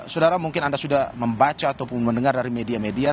saudara mungkin anda sudah membaca ataupun mendengar dari media media